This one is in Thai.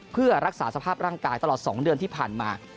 เพื่อรักษาสภาพร่างกายตลอด๒เดือนที่ผ่านมา